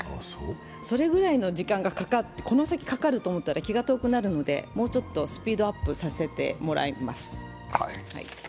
それぐらいの時間がこの先かかると思ったら気が遠くなるので、もうちょっとスピードアップさせてもらいます。